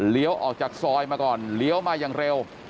ออกจากซอยมาก่อนเลี้ยวมาอย่างเร็ว